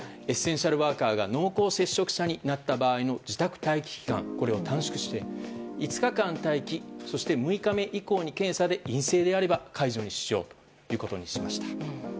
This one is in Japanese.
エッセンシャルワーカーが濃厚接触者になった場合の自宅待機期間を短縮して５日間待機、そして６日目以降に検査で陰性であれば解除にしようということにしました。